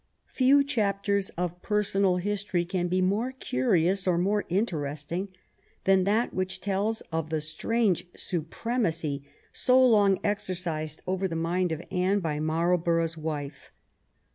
Few chapters of personal history can be more curious or more interesting than that which tells of the strange supremacy so long exercised over the mind of Anne by Marlborough's wife.